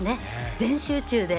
全集中で。